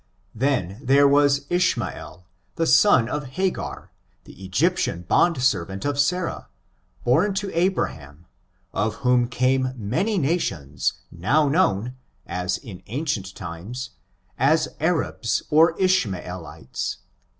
Then there was Ishmael, the son of Hagar, the Egyptian bond servant of Sarah, born to Abraham, of whom came many nations now known, as in an cient times, as Arabs or Ishmaelites.